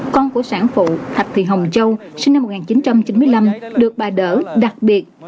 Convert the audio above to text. con của sản phụ thạch thị hồng châu sinh năm một nghìn chín trăm chín mươi năm được bà đỡ đặc biệt